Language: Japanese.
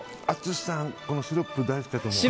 淳さん、このシロップ大好きだと思う。